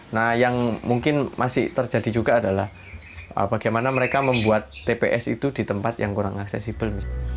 nah yang mungkin masih terjadi juga adalah bagaimana mereka membuat tps itu di tempat yang kurang aksesibel